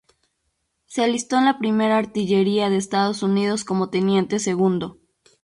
Se alistó en la Primera Artillería de Estados Unidos como teniente segundo.